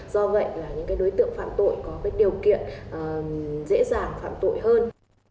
do vậy là những đối tượng phạm tội có điều kiện dễ dàng phạm tội hơn